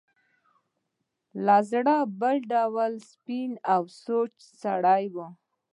له زړه بل ډول سپین او سوچه سړی و.